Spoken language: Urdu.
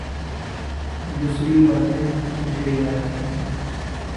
بسری باتیں مجھے یاد آ رہی ہیں۔